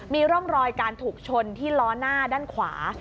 มีร่องรอยการถูกชนที่ล้อหน้าด้านขวา